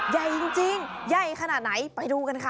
ใหญ่จริงใหญ่ขนาดไหนไปดูกันค่ะ